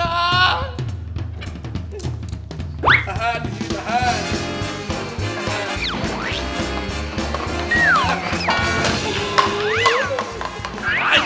tahan ini tahan